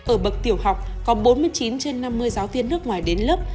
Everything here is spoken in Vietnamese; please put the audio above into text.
ở bậc tiểu học có bốn mươi chín trên năm mươi giáo viên nước ngoài đến lớp